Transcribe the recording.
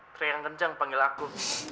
teriak yang kencang panggil aku